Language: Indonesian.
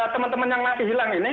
teman teman yang masih hilang ini